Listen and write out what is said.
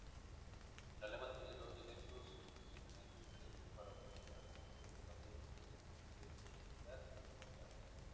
La lengua tiene dos dialectos suficientemente diferentes para ocasionar algunos problema de inteligibilidad mutua.